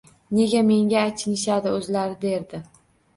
Nega menga achinishadi o‘zlari derdi